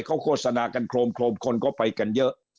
เขาโฆษณากันโครมคนก็ไปกันเยอะ